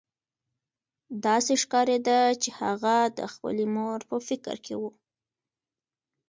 داسې ښکارېده چې هغه د خپلې مور په فکر کې و